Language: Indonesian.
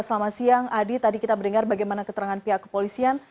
selamat siang adi tadi kita mendengar bagaimana keterangan pihak kepolisian